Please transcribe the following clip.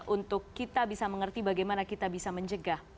untuk kita bisa mengerti bagaimana kita bisa mencegah